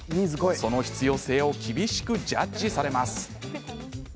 その必要性を厳しくジャッジされます。